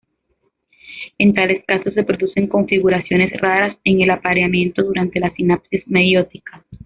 En tales casos se producen configuraciones raras en el apareamiento durante la sinapsis meiótica.